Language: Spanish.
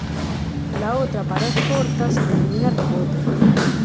La otra pared corta se denomina "rebote".